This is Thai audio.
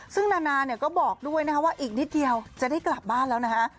ซึ่งนาก็บอกด้วยว่าอีกนิดเดียวจะได้กลับบ้านแล้วนะคะ